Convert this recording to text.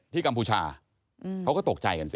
กัมพูชาเขาก็ตกใจกันสิ